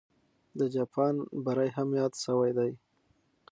د جاپان بری هم یاد سوی دی.